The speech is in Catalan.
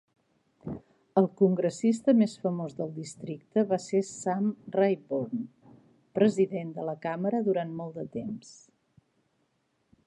El congressista més famós del districte va ser Sam Rayburn, president de la càmera durant molt de temps.